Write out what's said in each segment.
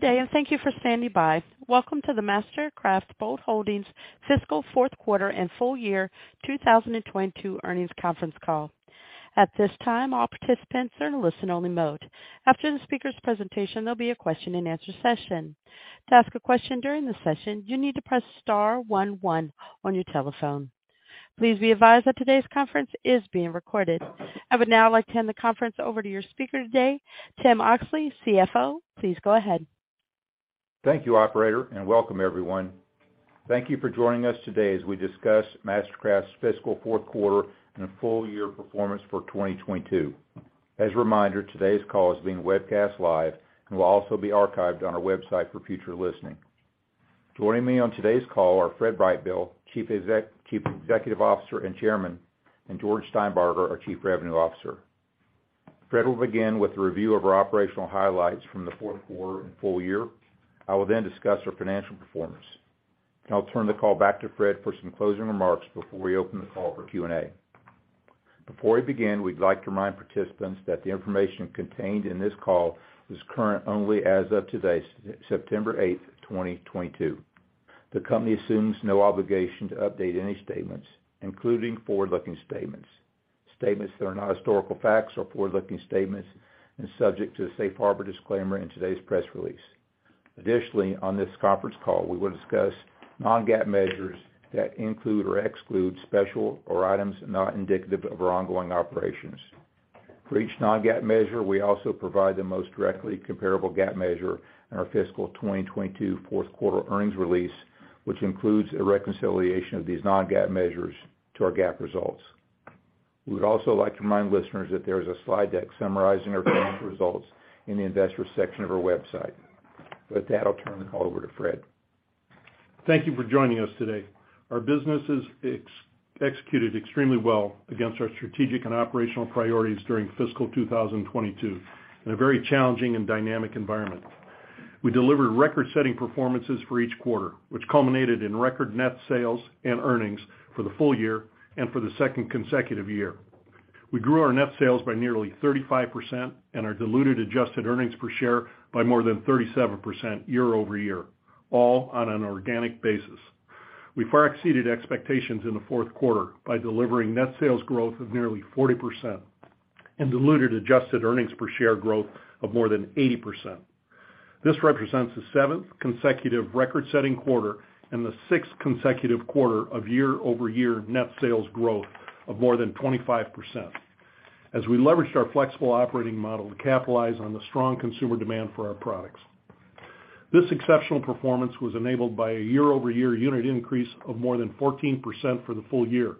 Good day, and thank you for standing by. Welcome to the MasterCraft Boat Holdings Fiscal Fourth Quarter and Full Year 2022 earnings conference call. At this time, all participants are in listen-only mode. After the speaker's presentation, there'll be a Q&A session. To ask a question during the session, you need to press star one one on your telephone. Please be advised that today's conference is being recorded. I would now like to hand the conference over to your speaker today, Tim Oxley, CFO. Please go ahead. Thank you, operator, and welcome everyone. Thank you for joining us today as we discuss MasterCraft's fiscal fourth quarter and full year performance for 2022. As a reminder, today's call is being webcast live and will also be archived on our website for future listening. Joining me on today's call are Fred Brightbill, Chief Executive Officer and Chairman, and George Steinbarger, our Chief Revenue Officer. Fred will begin with a review of our operational highlights from the fourth quarter and full year. I will then discuss our financial performance. I'll turn the call back to Fred for some closing remarks before we open the call for Q&A. Before we begin, we'd like to remind participants that the information contained in this call is current only as of today, September 8, 2022. The company assumes no obligation to update any statements, including forward-looking statements. Statements that are not historical facts or forward-looking statements and subject to the safe harbor disclaimer in today's press release. Additionally, on this conference call, we will discuss non-GAAP measures that include or exclude special or items not indicative of our ongoing operations. For each non-GAAP measure, we also provide the most directly comparable GAAP measure in our fiscal 2022 fourth quarter earnings release, which includes a reconciliation of these non-GAAP measures to our GAAP results. We would also like to remind listeners that there is a slide deck summarizing our financial results in the investor section of our website. With that, I'll turn the call over to Fred. Thank you for joining us today. Our business is executed extremely well against our strategic and operational priorities during fiscal 2022 in a very challenging and dynamic environment. We delivered record-setting performances for each quarter, which culminated in record net sales and earnings for the full year and for the second consecutive year. We grew our net sales by nearly 35% and our diluted adjusted earnings per share by more than 37% year-over-year, all on an organic basis. We far exceeded expectations in the fourth quarter by delivering net sales growth of nearly 40% and diluted adjusted earnings per share growth of more than 80%. This represents the 7th consecutive record-setting quarter and the 6th consecutive quarter of year-over-year net sales growth of more than 25% as we leveraged our flexible operating model to capitalize on the strong consumer demand for our products. This exceptional performance was enabled by a year-over-year unit increase of more than 14% for the full year,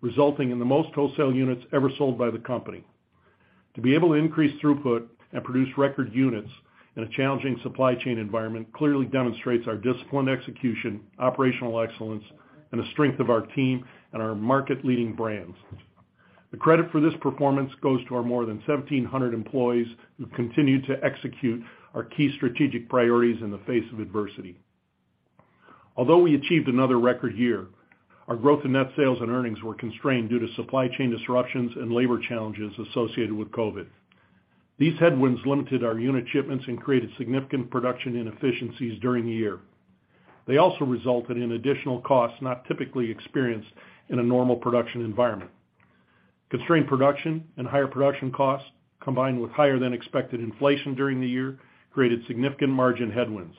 resulting in the most wholesale units ever sold by the company. To be able to increase throughput and produce record units in a challenging supply chain environment clearly demonstrates our disciplined execution, operational excellence, and the strength of our team and our market-leading brands. The credit for this performance goes to our more than 1,700 employees who continue to execute our key strategic priorities in the face of adversity. Although we achieved another record year, our growth in net sales and earnings were constrained due to supply chain disruptions and labor challenges associated with COVID. These headwinds limited our unit shipments and created significant production inefficiencies during the year. They also resulted in additional costs not typically experienced in a normal production environment. Constrained production and higher production costs, combined with higher-than-expected inflation during the year, created significant margin headwinds.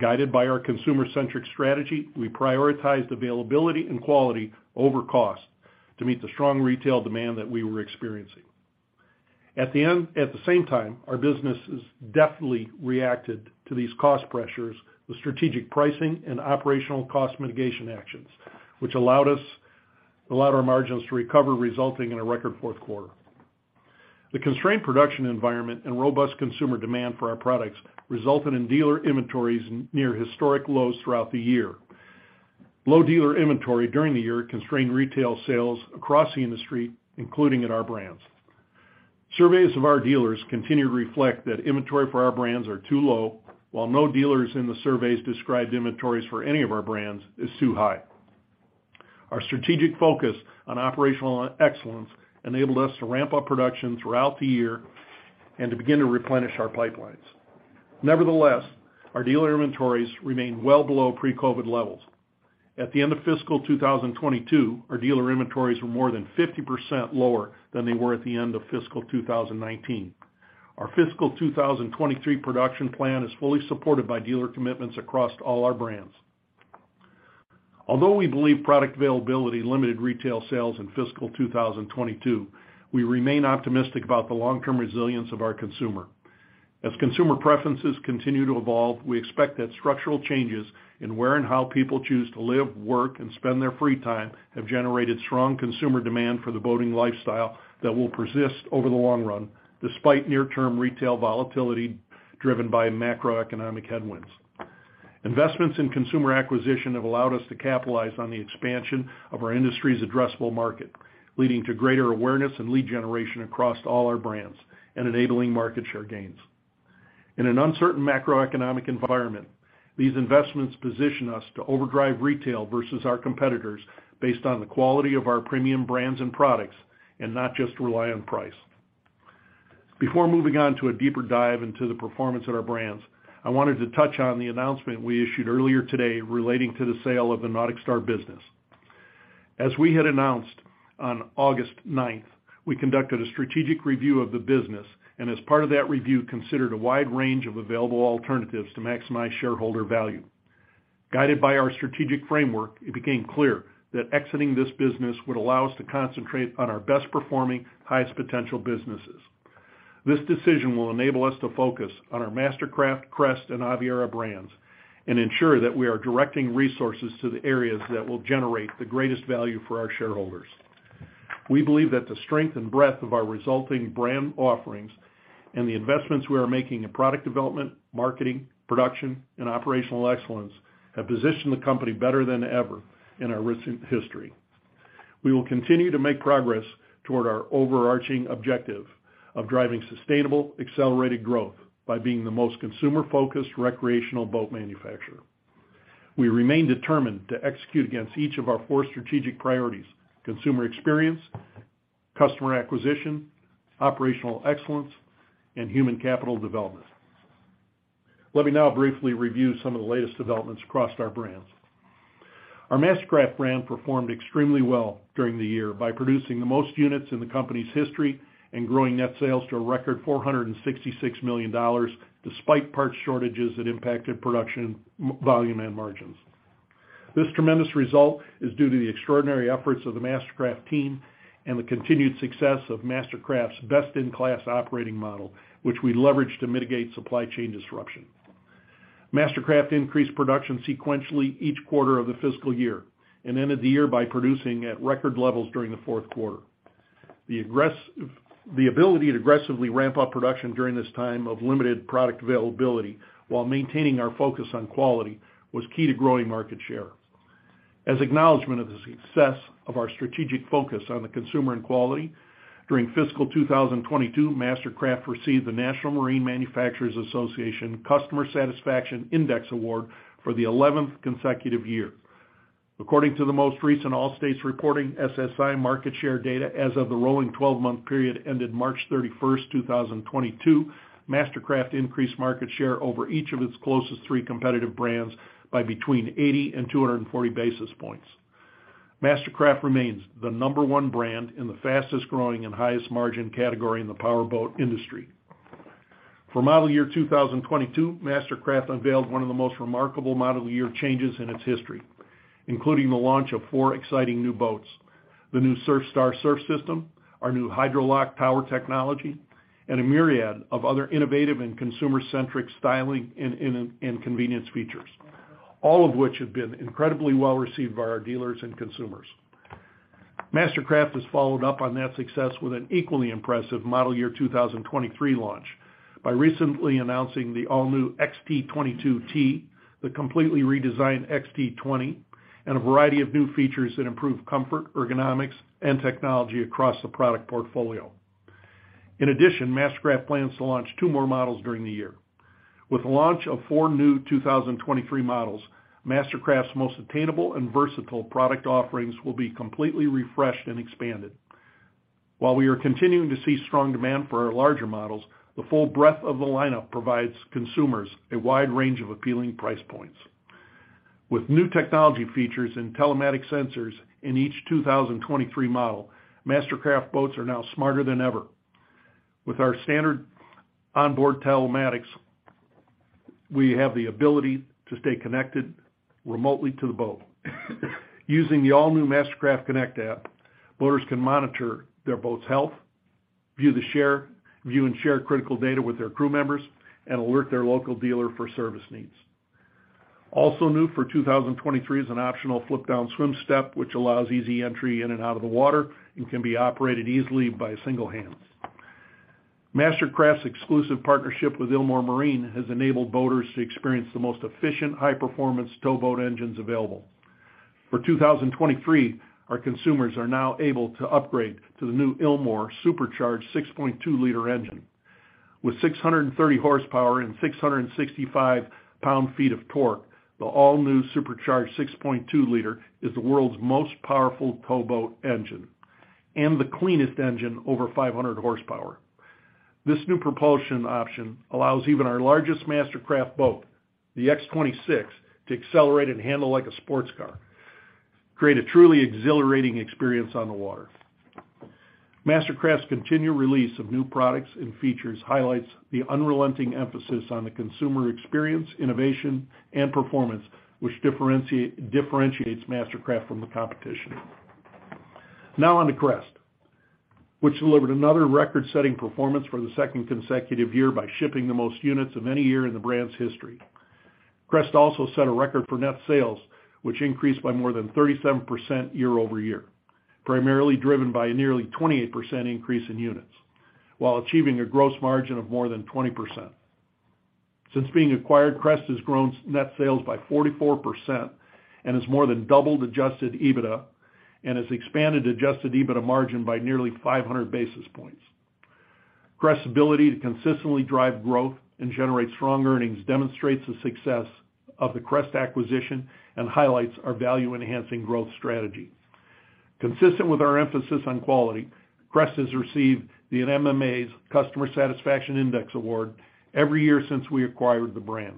Guided by our consumer-centric strategy, we prioritized availability and quality over cost to meet the strong retail demand that we were experiencing. At the same time, our business has deftly reacted to these cost pressures with strategic pricing and operational cost mitigation actions, which allowed our margins to recover, resulting in a record fourth quarter. The constrained production environment and robust consumer demand for our products resulted in dealer inventories near historic lows throughout the year. Low dealer inventory during the year constrained retail sales across the industry, including at our brands. Surveys of our dealers continue to reflect that inventory for our brands are too low, while no dealers in the surveys described inventories for any of our brands as too high. Our strategic focus on operational excellence enabled us to ramp up production throughout the year and to begin to replenish our pipelines. Nevertheless, our dealer inventories remain well below pre-COVID levels. At the end of fiscal 2022, our dealer inventories were more than 50% lower than they were at the end of fiscal 2019. Our fiscal 2023 production plan is fully supported by dealer commitments across all our brands. Although we believe product availability limited retail sales in fiscal 2022, we remain optimistic about the long-term resilience of our consumer. As consumer preferences continue to evolve, we expect that structural changes in where and how people choose to live, work, and spend their free time have generated strong consumer demand for the boating lifestyle that will persist over the long run despite near-term retail volatility driven by macroeconomic headwinds. Investments in consumer acquisition have allowed us to capitalize on the expansion of our industry's addressable market, leading to greater awareness and lead generation across all our brands and enabling market share gains. In an uncertain macroeconomic environment. These investments position us to overdrive retail versus our competitors based on the quality of our premium brands and products and not just rely on price. Before moving on to a deeper dive into the performance of our brands, I wanted to touch on the announcement we issued earlier today relating to the sale of the NauticStar business. As we had announced on August ninth, we conducted a strategic review of the business, and as part of that review, considered a wide range of available alternatives to maximize shareholder value. Guided by our strategic framework, it became clear that exiting this business would allow us to concentrate on our best-performing, highest-potential businesses. This decision will enable us to focus on our MasterCraft, Crest, and Aviara brands and ensure that we are directing resources to the areas that will generate the greatest value for our shareholders. We believe that the strength and breadth of our resulting brand offerings and the investments we are making in product development, marketing, production, and operational excellence have positioned the company better than ever in our recent history. We will continue to make progress toward our overarching objective of driving sustainable, accelerated growth by being the most consumer-focused recreational boat manufacturer. We remain determined to execute against each of our four strategic priorities: consumer experience, customer acquisition, operational excellence, and human capital development. Let me now briefly review some of the latest developments across our brands. Our MasterCraft brand performed extremely well during the year by producing the most units in the company's history and growing net sales to a record $466 million, despite parts shortages that impacted production, volume and margins. This tremendous result is due to the extraordinary efforts of the MasterCraft team and the continued success of MasterCraft's best-in-class operating model, which we leveraged to mitigate supply chain disruption. MasterCraft increased production sequentially each quarter of the fiscal year and ended the year by producing at record levels during the fourth quarter. The ability to aggressively ramp up production during this time of limited product availability while maintaining our focus on quality was key to growing market share. As acknowledgment of the success of our strategic focus on the consumer and quality, during fiscal 2022, MasterCraft received the National Marine Manufacturers Association Customer Satisfaction Index Award for the eleventh consecutive year. According to the most recent All States reporting SSI market share data as of the rolling 12-month period ended March 31st, 2022, MasterCraft increased market share over each of its closest three competitive brands by between 80 and 240 basis points. MasterCraft remains the number one brand in the fastest-growing and highest margin category in the powerboat industry. For model year 2022, MasterCraft unveiled one of the most remarkable model year changes in its history, including the launch of four exciting new boats, the new SurfStar surf system, our new Hydro-Lock power technology, and a myriad of other innovative and consumer-centric styling and convenience features, all of which have been incredibly well-received by our dealers and consumers. MasterCraft has followed up on that success with an equally impressive model year 2023 launch by recently announcing the all-new XT22T, the completely redesigned XT20, and a variety of new features that improve comfort, ergonomics, and technology across the product portfolio. In addition, MasterCraft plans to launch two more models during the year. With the launch of four new 2023 models, MasterCraft's most attainable and versatile product offerings will be completely refreshed and expanded. While we are continuing to see strong demand for our larger models, the full breadth of the lineup provides consumers a wide range of appealing price points. With new technology features and telematics sensors in each 2023 model, MasterCraft boats are now smarter than ever. With our standard onboard telematics, we have the ability to stay connected remotely to the boat. Using the all-new MasterCraft Connect app, boaters can monitor their boat's health, view and share critical data with their crew members, and alert their local dealer for service needs. Also new for 2023 is an optional flip-down swim step, which allows easy entry in and out of the water and can be operated easily by single hands. MasterCraft's exclusive partnership with Ilmor Marine has enabled boaters to experience the most efficient, high-performance towboat engines available. For 2023, our consumers are now able to upgrade to the new Ilmor Supercharged 6.2-L engine. With 630 horsepower and 665 lb-ft of torque, the all-new Supercharged 6.2-L is the world's most powerful towboat engine and the cleanest engine over 500 hp. This new propulsion option allows even our largest MasterCraft Boat, the X26, to accelerate and handle like a sports car, create a truly exhilarating experience on the water. MasterCraft's continued release of new products and features highlights the unrelenting emphasis on the consumer experience, innovation, and performance, which differentiates MasterCraft from the competition. Now, on to Crest, which delivered another record-setting performance for the second consecutive year by shipping the most units of any year in the brand's history. Crest also set a record for net sales, which increased by more than 37% year-over-year, primarily driven by a nearly 28% increase in units while achieving a gross margin of more than 20%. Since being acquired, Crest has grown its net sales by 44% and has more than doubled Adjusted EBITDA and has expanded Adjusted EBITDA margin by nearly 500 basis points. Crest's ability to consistently drive growth and generate strong earnings demonstrates the success of the Crest acquisition and highlights our value-enhancing growth strategy. Consistent with our emphasis on quality, Crest has received the NMMA's Customer Satisfaction Index Award every year since we acquired the brand.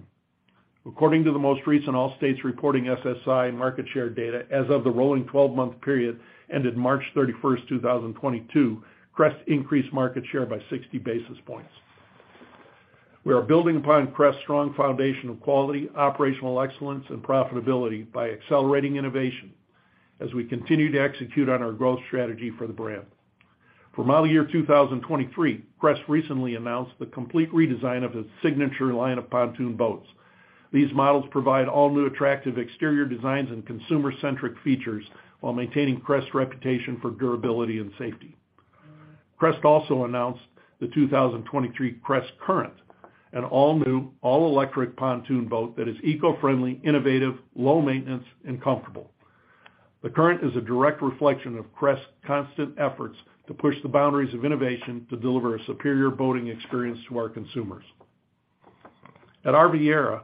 According to the most recent all states reporting SSI market share data, as of the rolling twelve-month period ended March 31st, 2022, Crest increased market share by 60 basis points. We are building upon Crest's strong foundation of quality, operational excellence, and profitability by accelerating innovation as we continue to execute on our growth strategy for the brand. For model year 2023, Crest recently announced the complete redesign of its signature line of pontoon boats. These models provide all-new attractive exterior designs and consumer-centric features while maintaining Crest's reputation for durability and safety. Crest also announced the 2023 Crest Current, an all-new, all-electric pontoon boat that is eco-friendly, innovative, low-maintenance, and comfortable. The Current is a direct reflection of Crest's constant efforts to push the boundaries of innovation to deliver a superior boating experience to our consumers. At Aviara,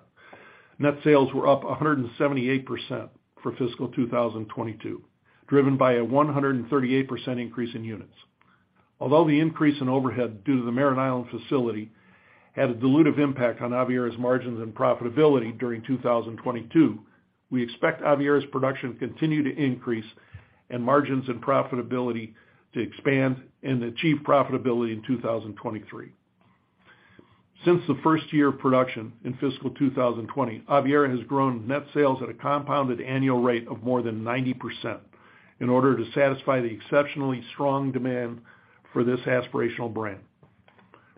net sales were up 178% for fiscal 2022, driven by a 138% increase in units. Although the increase in overhead due to the Merritt Island facility had a dilutive impact on Aviara's margins and profitability during 2022, we expect Aviara's production to continue to increase and margins and profitability to expand and achieve profitability in 2023. Since the first year of production in fiscal 2020, Aviara has grown net sales at a compounded annual rate of more than 90% in order to satisfy the exceptionally strong demand for this aspirational brand.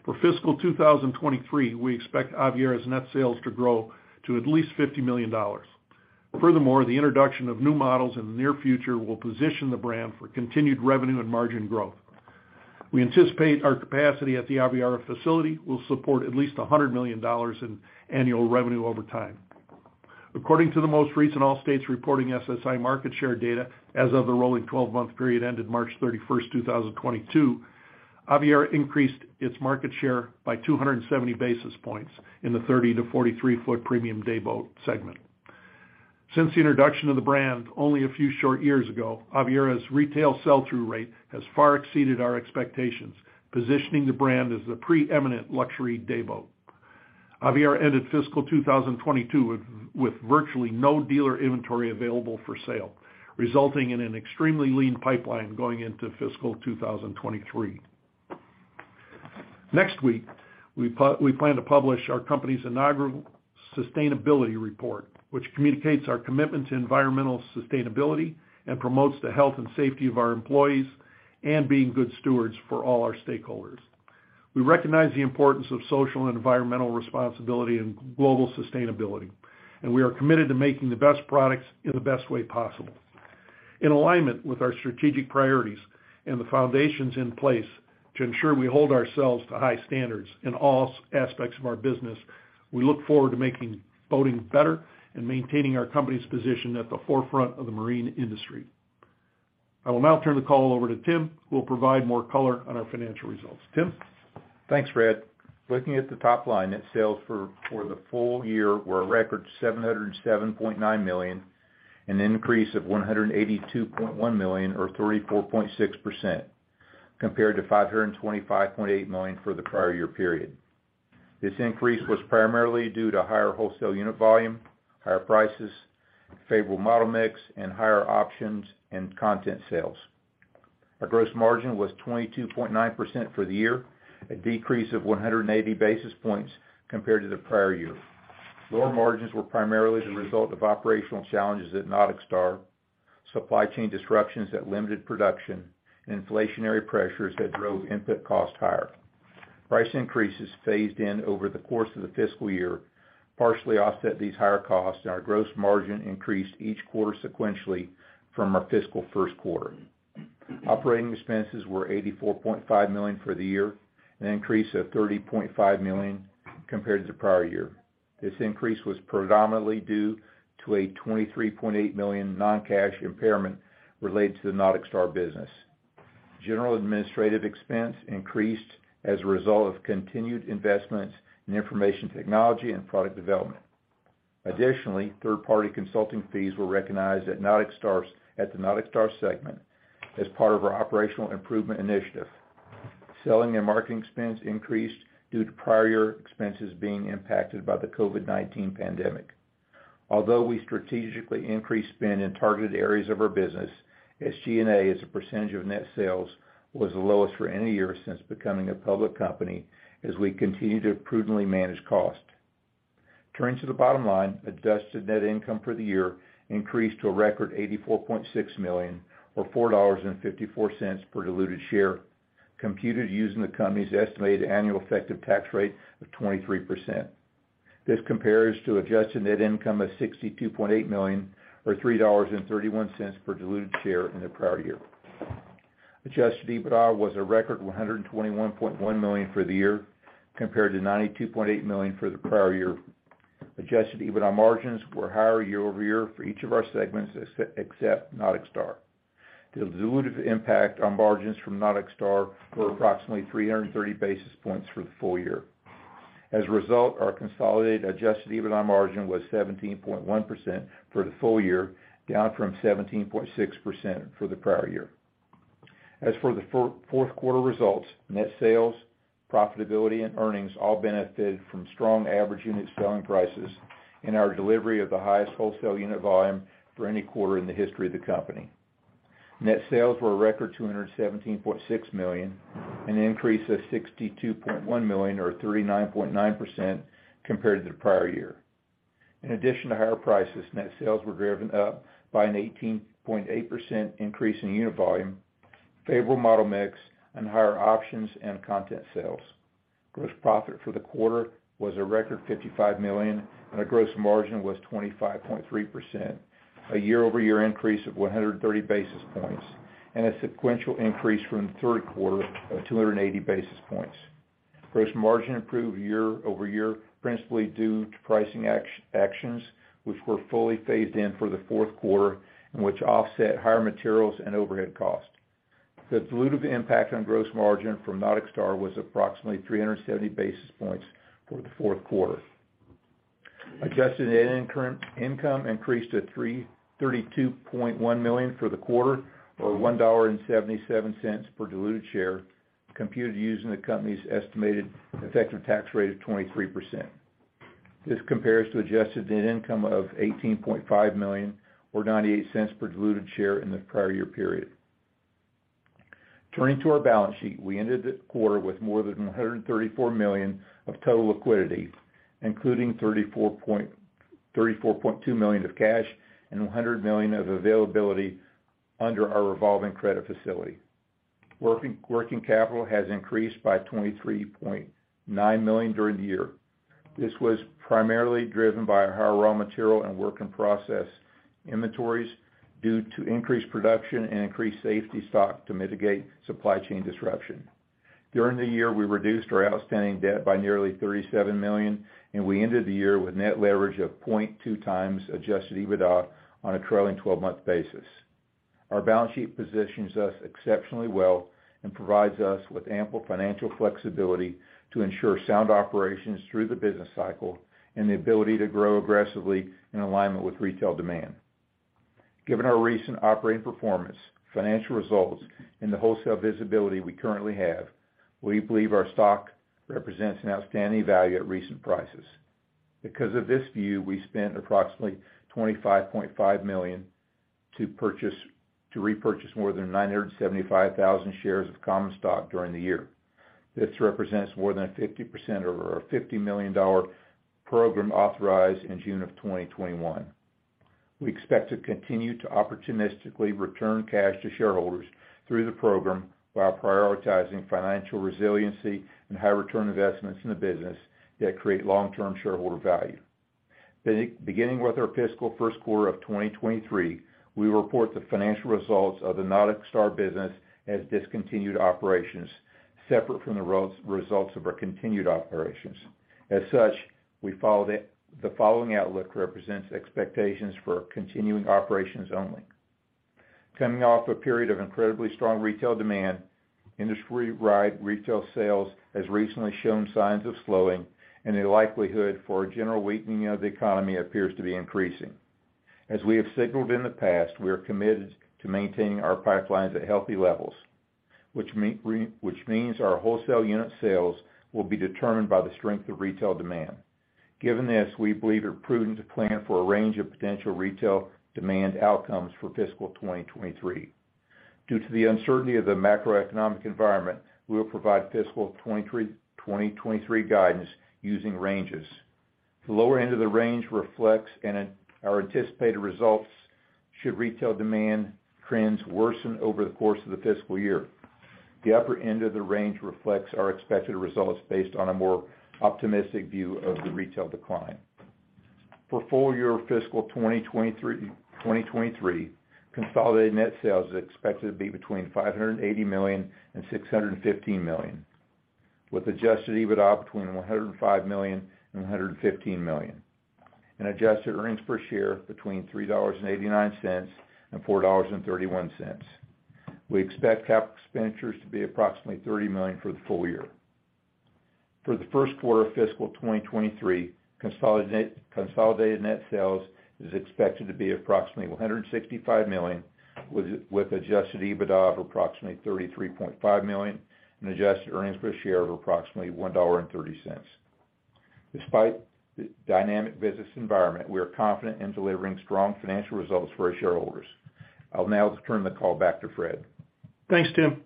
For fiscal 2023, we expect Aviara's net sales to grow to at least $50 million. Furthermore, the introduction of new models in the near future will position the brand for continued revenue and margin growth. We anticipate our capacity at the Aviara facility will support at least $100 million in annual revenue over time. According to the most recent all states reporting SSI market share data as of the rolling 12-month period ended March 31st, 2022, Aviara increased its market share by 270 basis points in the 30-ft to 43-ft premium day boat segment. Since the introduction of the brand only a few short years ago, Aviara's retail sell-through rate has far exceeded our expectations, positioning the brand as the preeminent luxury day boat. Aviara ended fiscal 2022 with virtually no dealer inventory available for sale, resulting in an extremely lean pipeline going into fiscal 2023. Next week, we plan to publish our company's inaugural sustainability report, which communicates our commitment to environmental sustainability and promotes the health and safety of our employees and being good stewards for all our stakeholders. We recognize the importance of social and environmental responsibility and global sustainability, and we are committed to making the best products in the best way possible. In alignment with our strategic priorities and the foundations in place to ensure we hold ourselves to high standards in all aspects of our business, we look forward to making boating better and maintaining our company's position at the forefront of the marine industry. I will now turn the call over to Tim, who will provide more color on our financial results. Tim? Thanks, Fred. Looking at the top line, net sales for the full year were a record $707.9 million, an increase of $182.1 million or 34.6% compared to $525.8 million for the prior year period. This increase was primarily due to higher wholesale unit volume, higher prices, favorable model mix, and higher options and content sales. Our gross margin was 22.9% for the year, a decrease of 180 basis points compared to the prior year. Lower margins were primarily the result of operational challenges at NauticStar, supply chain disruptions that limited production, and inflationary pressures that drove input costs higher. Price increases phased in over the course of the fiscal year partially offset these higher costs, and our gross margin increased each quarter sequentially from our fiscal first quarter. Operating expenses were $84.5 million for the year, an increase of $30.5 million compared to the prior year. This increase was predominantly due to a $23.8 million non-cash impairment related to the NauticStar business. General administrative expense increased as a result of continued investments in information technology and product development. Additionally, third-party consulting fees were recognized at the NauticStar segment as part of our operational improvement initiative. Selling and marketing expense increased due to prior year expenses being impacted by the COVID-19 pandemic. Although we strategically increased spend in targeted areas of our business, SG&A, as a percentage of net sales, was the lowest for any year since becoming a public company as we continue to prudently manage cost. Turning to the bottom line, adjusted net income for the year increased to a record $84.6 million or $4.54 per diluted share, computed using the company's estimated annual effective tax rate of 23%. This compares to adjusted net income of $62.8 million or $3.31 per diluted share in the prior year. Adjusted EBITDA was a record $121.1 million for the year compared to $92.8 million for the prior year. Adjusted EBITDA margins were higher year over year for each of our segments except NauticStar. The dilutive impact on margins from NauticStar were approximately 330 basis points for the full year. As a result, our consolidated Adjusted EBITDA margin was 17.1% for the full year, down from 17.6% for the prior year. As for the fourth quarter results, net sales, profitability, and earnings all benefited from strong average unit selling prices and our delivery of the highest wholesale unit volume for any quarter in the history of the company. Net sales were a record $217.6 million, an increase of $62.1 million or 39.9% compared to the prior year. In addition to higher prices, net sales were driven up by an 18.8% increase in unit volume, favorable model mix, and higher options and content sales. Gross profit for the quarter was a record $55 million, and gross margin was 25.3%, a year-over-year increase of 130 basis points, and a sequential increase from the third quarter of 280 basis points. Gross margin improved year-over-year, principally due to pricing actions, which were fully phased in for the fourth quarter, which offset higher materials and overhead costs. The dilutive impact on gross margin from NauticStar was approximately 370 basis points for the fourth quarter. Adjusted net income increased to $32.1 million for the quarter, or $1.77 per diluted share, computed using the company's estimated effective tax rate of 23%. This compares to adjusted net income of $18.5 million or $0.98 per diluted share in the prior year period. Turning to our balance sheet, we ended the quarter with more than $134 million of total liquidity, including $34.2 million of cash and $100 million of availability under our revolving credit facility. Working capital has increased by $23.9 million during the year. This was primarily driven by our raw material and work in process inventories due to increased production and increased safety stock to mitigate supply chain disruption. During the year, we reduced our outstanding debt by nearly $37 million, and we ended the year with net leverage of 0.2x Adjusted EBITDA on a trailing twelve-month basis. Our balance sheet positions us exceptionally well and provides us with ample financial flexibility to ensure sound operations through the business cycle and the ability to grow aggressively in alignment with retail demand. Given our recent operating performance, financial results, and the wholesale visibility we currently have, we believe our stock represents an outstanding value at recent prices. Because of this view, we spent approximately $25.5 million to repurchase more than 975,000 shares of common stock during the year. This represents more than 50% of our $50 million program authorized in June of 2021. We expect to continue to opportunistically return cash to shareholders through the program while prioritizing financial resiliency and high return investments in the business that create long-term shareholder value. Beginning with our fiscal first quarter of 2023, we will report the financial results of the NauticStar business as discontinued operations separate from the results of our continued operations. As such, the following outlook represents expectations for continuing operations only. Coming off a period of incredibly strong retail demand, industry-wide retail sales has recently shown signs of slowing and the likelihood for a general weakening of the economy appears to be increasing. As we have signaled in the past, we are committed to maintaining our pipelines at healthy levels, which means our wholesale unit sales will be determined by the strength of retail demand. Given this, we believe it prudent to plan for a range of potential retail demand outcomes for fiscal 2023. Due to the uncertainty of the macroeconomic environment, we will provide fiscal 2023 guidance using ranges. The lower end of the range reflects our anticipated results should retail demand trends worsen over the course of the fiscal year. The upper end of the range reflects our expected results based on a more optimistic view of the retail decline. For full year fiscal 2023, consolidated net sales is expected to be between $580 million and $615 million, with Adjusted EBITDA between $105 million and $115 million, and adjusted earnings per share between $3.89 and $4.31. We expect capital expenditures to be approximately $30 million for the full year. For the first quarter of fiscal 2023, consolidated net sales is expected to be approximately $165 million, with Adjusted EBITDA of approximately $33.5 million and adjusted earnings per share of approximately $1.30. Despite the dynamic business environment, we are confident in delivering strong financial results for our shareholders. I'll now turn the call back to Fred. Thanks, Tim.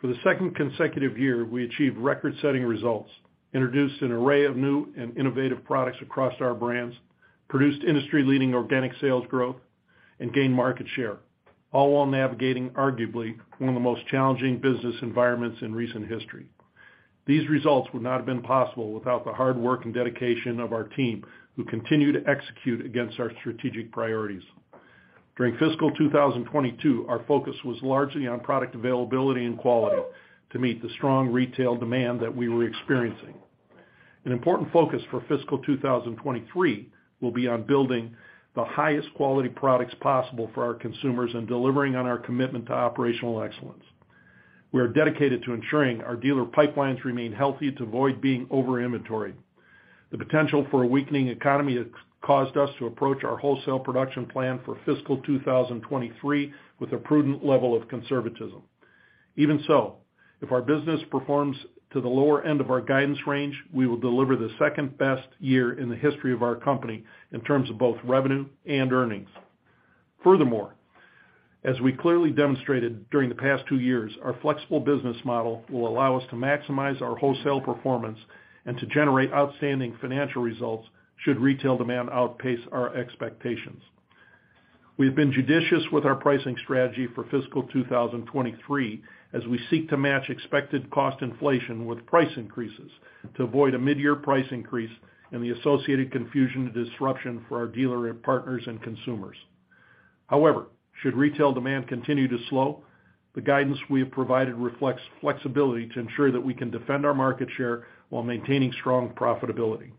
For the second consecutive year, we achieved record-setting results, introduced an array of new and innovative products across our brands, produced industry-leading organic sales growth, and gained market share, all while navigating arguably one of the most challenging business environments in recent history. These results would not have been possible without the hard work and dedication of our team who continue to execute against our strategic priorities. During fiscal 2022, our focus was largely on product availability and quality to meet the strong retail demand that we were experiencing. An important focus for fiscal 2023 will be on building the highest quality products possible for our consumers and delivering on our commitment to operational excellence. We are dedicated to ensuring our dealer pipelines remain healthy to avoid being over-inventoried. The potential for a weakening economy has caused us to approach our wholesale production plan for fiscal 2023 with a prudent level of conservatism. Even so, if our business performs to the lower end of our guidance range, we will deliver the second-best year in the history of our company in terms of both revenue and earnings. Furthermore, as we clearly demonstrated during the past two years, our flexible business model will allow us to maximize our wholesale performance and to generate outstanding financial results should retail demand outpace our expectations. We have been judicious with our pricing strategy for fiscal 2023 as we seek to match expected cost inflation with price increases to avoid a mid-year price increase and the associated confusion and disruption for our dealer and partners and consumers. However, should retail demand continue to slow, the guidance we have provided reflects flexibility to ensure that we can defend our market share while maintaining strong profitability.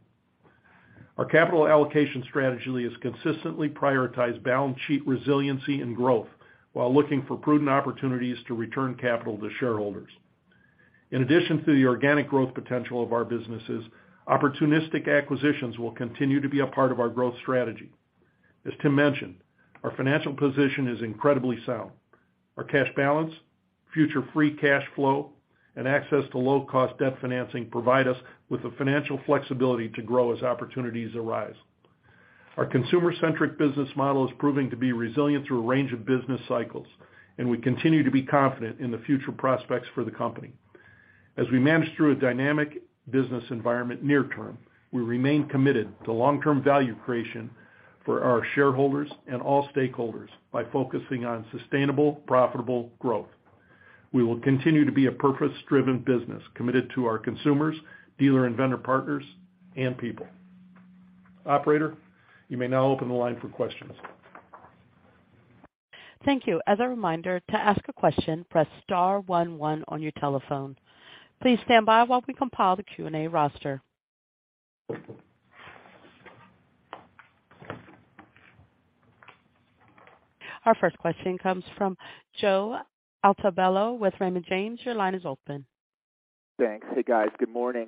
Our capital allocation strategy has consistently prioritized balance sheet resiliency and growth while looking for prudent opportunities to return capital to shareholders. In addition to the organic growth potential of our businesses, opportunistic acquisitions will continue to be a part of our growth strategy. As Tim mentioned, our financial position is incredibly sound. Our cash balance, future free cash flow, and access to low-cost debt financing provide us with the financial flexibility to grow as opportunities arise. Our consumer-centric business model is proving to be resilient through a range of business cycles, and we continue to be confident in the future prospects for the company. As we manage through a dynamic business environment near term, we remain committed to long-term value creation for our shareholders and all stakeholders by focusing on sustainable, profitable growth. We will continue to be a purpose-driven business committed to our consumers, dealer and vendor partners, and people. Operator, you may now open the line for questions. Thank you. As a reminder, to ask a question, press star one one on your telephone. Please stand by while we compile the Q&A roster. Our first question comes from Joe Altobello with Raymond James. Your line is open. Thanks. Hey, guys. Good morning.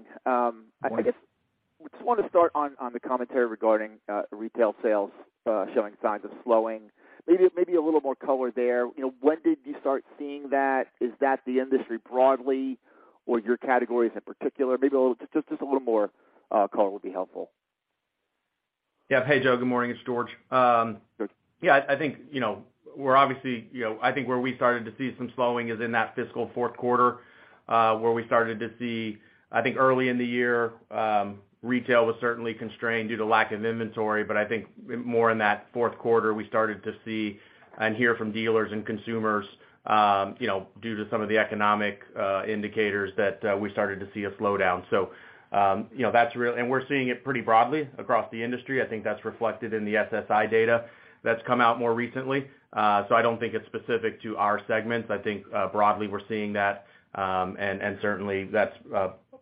I guess just wanted to start on the commentary regarding retail sales showing signs of slowing. Maybe a little more color there. You know, when did you start seeing that? Is that the industry broadly or your categories in particular? Maybe a little more color would be helpful. Yeah. Hey, Joe. Good morning. It's George. Yeah, I think, you know, we're obviously, you know, I think where we started to see some slowing is in that fiscal fourth quarter, where we started to see, I think early in the year, retail was certainly constrained due to lack of inventory. I think more in that fourth quarter, we started to see and hear from dealers and consumers, you know, due to some of the economic indicators that we started to see a slowdown. You know, that's real. We're seeing it pretty broadly across the industry. I think that's reflected in the SSI data that's come out more recently. I don't think it's specific to our segments. I think, broadly we're seeing that, and certainly that's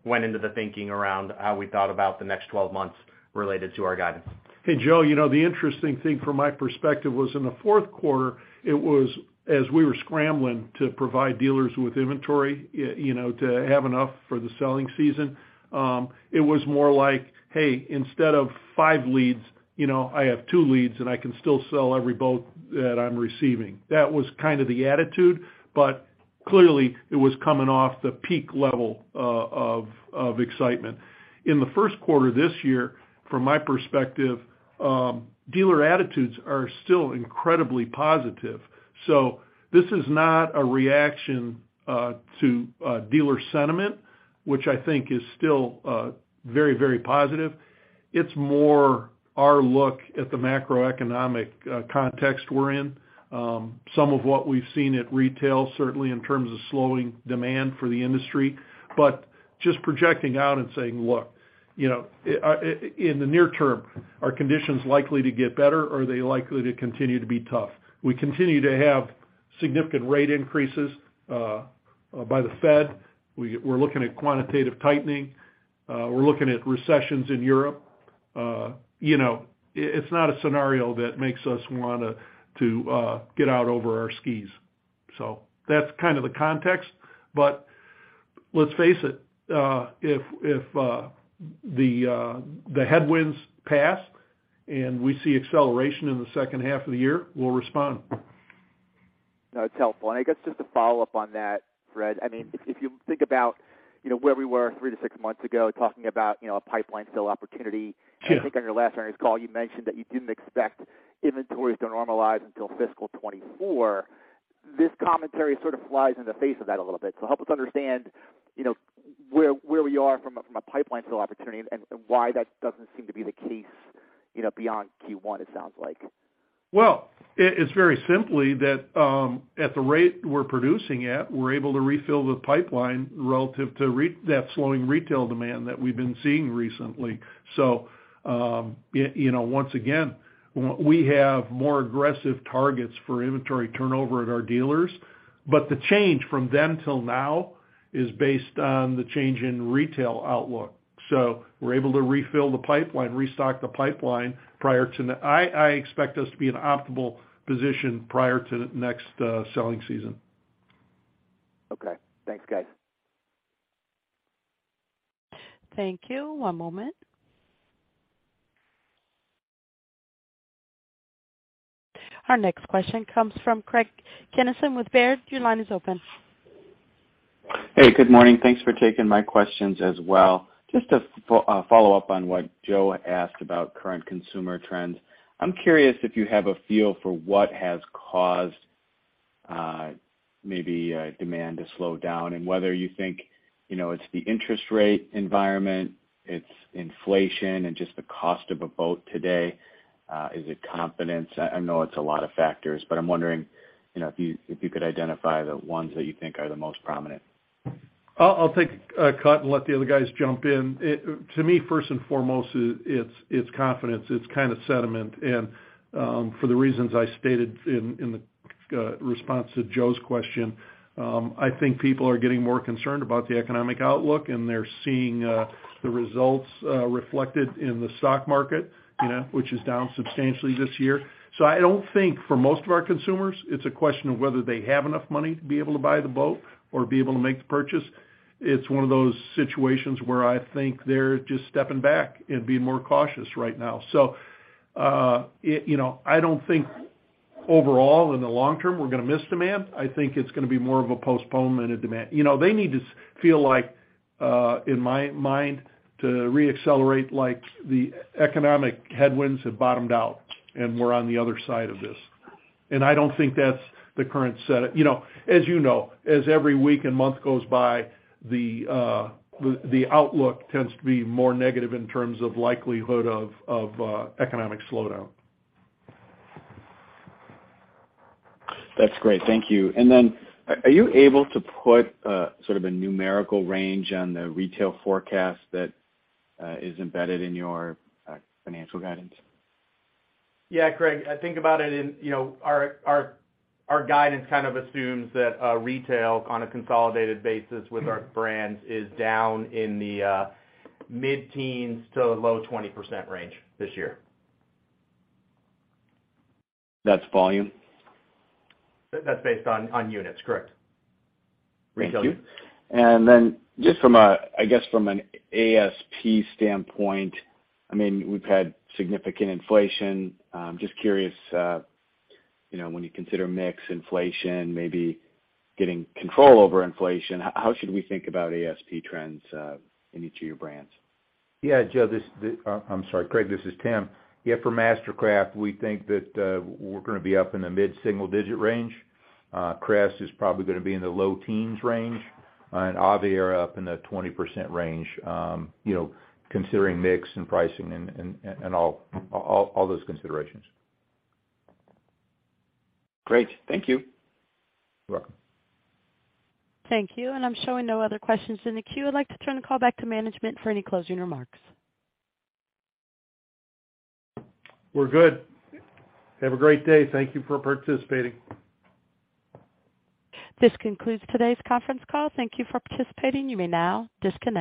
went into the thinking around how we thought about the next 12 months related to our guidance. Hey, Joe. You know, the interesting thing from my perspective was in the fourth quarter, it was as we were scrambling to provide dealers with inventory, you know, to have enough for the selling season, it was more like, "Hey, instead of five leads, you know, I have two leads, and I can still sell every boat that I'm receiving." That was kind of the attitude, but clearly it was coming off the peak level of excitement. In the first quarter this year, from my perspective, dealer attitudes are still incredibly positive. So this is not a reaction to dealer sentiment, which I think is still very, very positive. It's more our look at the macroeconomic context we're in. Some of what we've seen at retail, certainly in terms of slowing demand for the industry. Just projecting out and saying, "Look, you know, in the near term, are conditions likely to get better, or are they likely to continue to be tough?" We continue to have significant rate increases by the Fed. We're looking at quantitative tightening. We're looking at recessions in Europe. You know, it's not a scenario that makes us wanna get out over our skis. That's kind of the context. Let's face it, if the headwinds pass and we see acceleration in the second half of the year, we'll respond. No, it's helpful. I guess just to follow up on that, Fred, I mean, if you think about, you know, where we were 3-6 months ago, talking about, you know, a pipeline fill opportunity. I think on your last earnings call, you mentioned that you didn't expect inventories to normalize until fiscal 2024. This commentary sort of flies in the face of that a little bit. Help us understand, you know, where we are from a pipeline fill opportunity and why that doesn't seem to be the case, you know, beyond Q1, it sounds like. Well, it's very simply that, at the rate we're producing at, we're able to refill the pipeline relative to that slowing retail demand that we've been seeing recently. You know, once again, we have more aggressive targets for inventory turnover at our dealers, but the change from then till now is based on the change in retail outlook. We're able to refill the pipeline, restock the pipeline. I expect us to be in an optimal position prior to the next selling season. Okay. Thanks, guys. Thank you. One moment. Our next question comes from Craig Kennison with Baird. Your line is open. Hey, good morning. Thanks for taking my questions as well. Just a follow-up on what Joe asked about current consumer trends. I'm curious if you have a feel for what has caused maybe demand to slow down and whether you think, you know, it's the interest rate environment, it's inflation and just the cost of a boat today. Is it confidence? I know it's a lot of factors, but I'm wondering if you could identify the ones that you think are the most prominent. I'll take a crack and let the other guys jump in. To me, first and foremost, it's confidence, it's kind of sentiment and for the reasons I stated in the response to Joe's question. I think people are getting more concerned about the economic outlook, and they're seeing the results reflected in the stock market, you know, which is down substantially this year. I don't think for most of our consumers, it's a question of whether they have enough money to be able to buy the boat or be able to make the purchase. It's one of those situations where I think they're just stepping back and being more cautious right now. You know, I don't think overall in the long term, we're gonna miss demand. I think it's gonna be more of a postponement of demand. You know, they need to feel like, in my mind, to re-accelerate, like the economic headwinds have bottomed out and we're on the other side of this. I don't think that's the current setting. You know, as you know, as every week and month goes by, the outlook tends to be more negative in terms of likelihood of economic slowdown. Are you able to put a sort of a numerical range on the retail forecast that is embedded in your financial guidance? Yeah, Craig, I think about it in, you know, our guidance kind of assumes that retail on a consolidated basis with our brands is down in the mid-teens to a low 20% range this year. That's volume? That's based on units, correct. Retail units. Thank you. I guess from an ASP standpoint, I mean, we've had significant inflation. Just curious, you know, when you consider mix inflation, maybe getting control over inflation, how should we think about ASP trends in each of your brands? Yeah. Joe, I'm sorry, Craig, this is Tim. Yeah, for MasterCraft, we think that we're gonna be up in the mid-single-digit% range. Crest is probably gonna be in the low-teens% range, and Aviara up in the 20% range, you know, considering mix and pricing and all those considerations. Great. Thank you. You're welcome. Thank you. I'm showing no other questions in the queue. I'd like to turn the call back to management for any closing remarks. We're good. Have a great day. Thank you for participating. This concludes today's conference call. Thank you for participating. You may now disconnect.